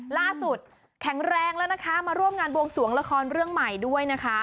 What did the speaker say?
แข็งแรงแล้วนะคะมาร่วมงานบวงสวงละครเรื่องใหม่ด้วยนะคะ